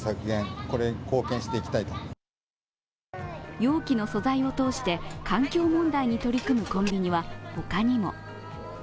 容器の素材を通して環境問題に取り組むコンビニは他にも。